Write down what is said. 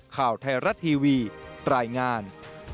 ข่าวไทยรัฐทีวีรายงาน